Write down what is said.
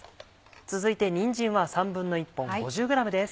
続いてにんじんは１／３本５０ｇです。